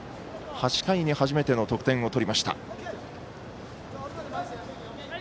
８回に初めての得点を取りました。